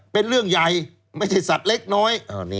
เป็นเรื่องใหญ่ไม่ใช่สัตว์เล็กน้อย